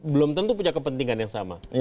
belum tentu punya kepentingan yang sama